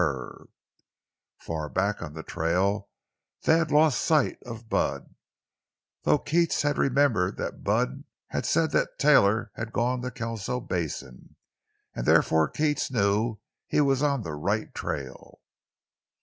For far back on the trail they had lost sight of Bud, though Keats had remembered that Bud had said Taylor had gone to Kelso Basin, and therefore Keats knew he was on the right trail.